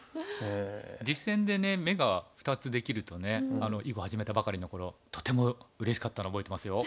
実戦でね眼が２つできるとね囲碁始めたばかりの頃とてもうれしかったの覚えてますよ。